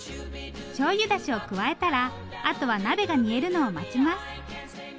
しょうゆだしを加えたらあとは鍋が煮えるのを待ちます。